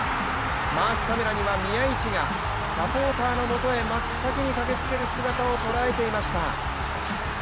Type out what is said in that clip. マークカメラには宮市がサポーターのもとへ真っ先に駆けつける姿を捉えていました。